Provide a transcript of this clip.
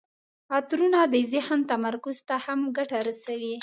عطرونه د ذهن تمرکز ته هم ګټه رسوي.